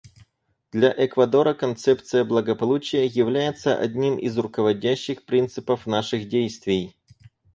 Для Эквадора концепция благополучия является одним из руководящих принципов наших действий.